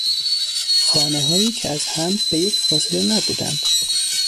خانههایی که از هم به یک فاصله نبودند